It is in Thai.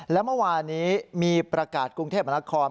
และเมื่อวานี้มีประกาศกรุงเทพมนาคม